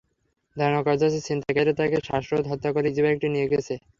ধারণা করা হচ্ছে, ছিনতাইকারীরা তাঁকে শ্বাসরোধে হত্যা করে ইজিবাইকটি নিয়ে গেছে।